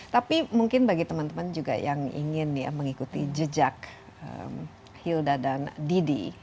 tapi mungkin bagi teman teman juga yang ingin ya mengikuti jejak hilda dan didi